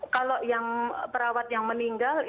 kalau yang perawat yang meninggal